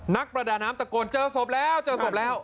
นักประดาน้ำตะโกนเจอศพแล้วเจอศพแล้ว